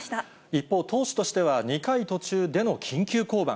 一方、投手としては２回途中での緊急降板。